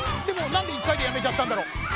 でもなんで１かいでやめちゃったんだろう？